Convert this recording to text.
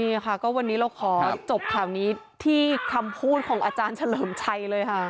นี่ค่ะก็วันนี้เราขอจบข่าวนี้ที่คำพูดของอาจารย์เฉลิมชัยเลยค่ะ